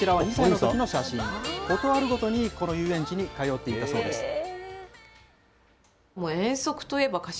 事あるごとにこの遊園地に通っていたそうです。